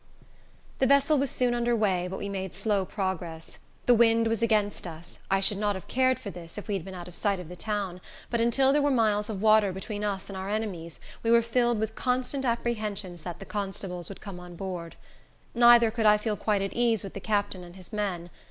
The vessel was soon under way, but we made slow progress. The wind was against us, I should not have cared for this, if we had been out of sight of the town; but until there were miles of water between us and our enemies, we were filled with constant apprehensions that the constables would come on board. Neither could I feel quite at ease with the captain and his men.